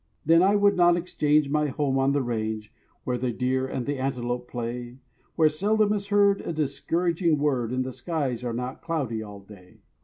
Then I would not exchange my home on the range, Where the deer and the antelope play; Where seldom is heard a discouraging word And the skies are not cloudy all day.